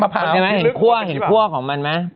มะพร้าวเห็นไหมมะพร้าวของมันไหม